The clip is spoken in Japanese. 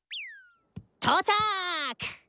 とうちゃく！